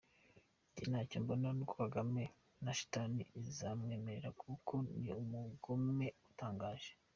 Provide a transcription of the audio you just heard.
nge icyo mbona nuko kagame na shitani itazamwemera kuko ni umugome utangaje!!!